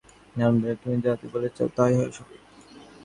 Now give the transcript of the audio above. আমি জানি আমি পাষণ্ড, আমি নরাধম এবং তুমি যাহা বলিতে চাও তাহা সবই।